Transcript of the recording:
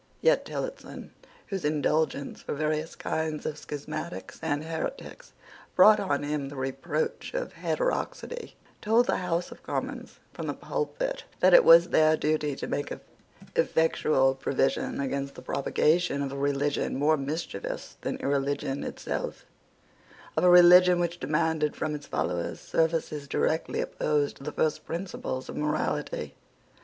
Yet Tillotson, whose indulgence for various kinds of schismatics and heretics brought on him the reproach of heterodoxy, told the House of Commons from the pulpit that it was their duty to make effectual provision against the propagation of a religion more mischievous than irreligion itself, of a religion which demanded from its followers services directly opposed to the first principles of morality.